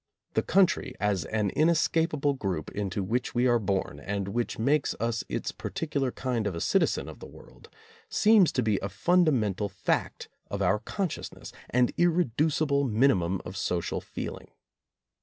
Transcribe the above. The Country, as an inescapable group into which we are born, and which makes us its particular kind of a citizen of the world, seems to be a funda mental fact of our consciousness, an irreducible minimum of social feeling.